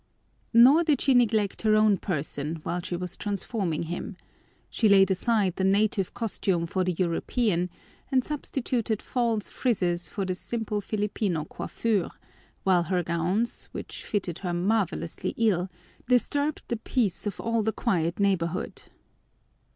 Nor did she neglect her own person while she was transforming him. She laid aside the native costume for the European and substituted false frizzes for the simple Filipino coiffure, while her gowns, which fitted her marvelously ill, disturbed the peace of all the quiet neighborhood.